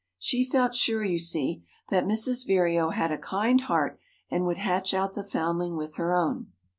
She felt sure, you see, that Mrs. Vireo had a kind heart and would hatch out the foundling with her own."